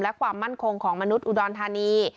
และความมั่นคงของมนุษย์อุดรธานี